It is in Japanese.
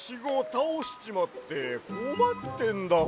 たおしちまってこまってんだわ。